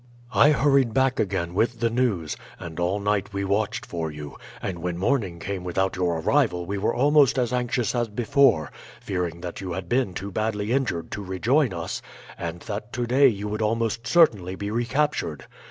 "I hurried back again with the news, and all night we watched for you, and when morning came without your arrival we were almost as anxious as before, fearing that you had been too badly injured to rejoin us, and that to day you would almost certainly be recaptured.